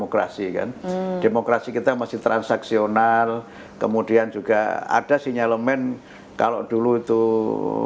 qerasikan demokrasi kita masih transaksional kemudian juga ada sinyal lo men kalau dulu tuh